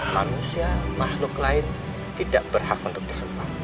manusia makhluk lain tidak berhak untuk disimpan